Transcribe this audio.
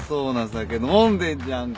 酒飲んでんじゃんか。